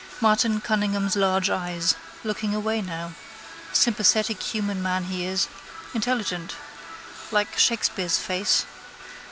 Martin Cunningham's large eyes. Looking away now. Sympathetic human man he is. Intelligent. Like Shakespeare's face.